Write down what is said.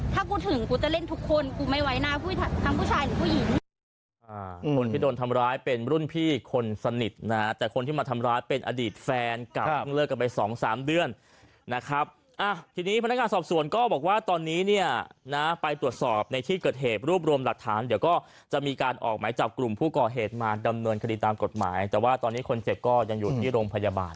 แล้วว่าถ้ากูถึงกูจะเล่นทุกคนกูไม่ไหวนะทั้งผู้ชายหรือผู้หญิง